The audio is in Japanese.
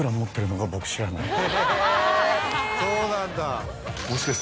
へぇそうなんだ。